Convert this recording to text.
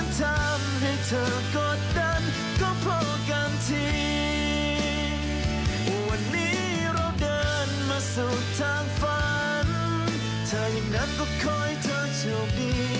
ถ้าอย่างนั้นก็ขอให้เธอโชคดี